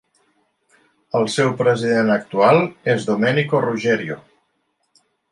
El seu president actual és Domenico Ruggerio.